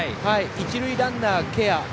一塁ランナー、ケア。